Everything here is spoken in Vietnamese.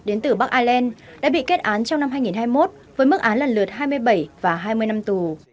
đến từ bắc ireland đã bị kết án trong năm hai nghìn hai mươi một với mức án lần lượt hai mươi bảy và hai mươi năm tù